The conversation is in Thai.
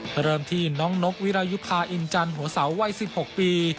เริ่มที่น้องนกวิรายุคาอินจันทร์หัวเสาวัย๑๖ปี